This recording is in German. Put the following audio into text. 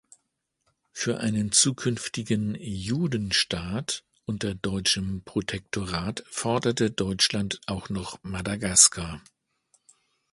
Für einen zukünftigen „Judenstaat“ unter deutschem Protektorat forderte Deutschland auch noch Madagaskar.